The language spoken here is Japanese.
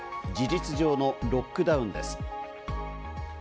事実上のロックダウンです。